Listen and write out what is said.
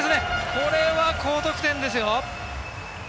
これは高得点ですよ！